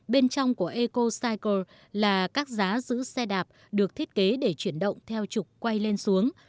bên trong của ecocycle là các giá giữ xe đạp được thiết kế để chuyển động theo trục quay lên xuống